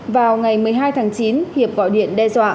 vào ngày một mươi hai tháng chín hiệp gọi điện đe dọa